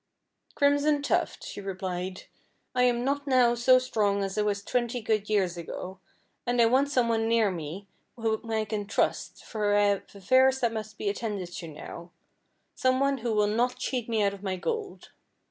"Crimson Tuft," she replied, "I am not now so strong as I was twenty good years ago, and I want some one near me whom I can trust, for I have affairs that must be attended to now some one who will not cheat me out of my gold.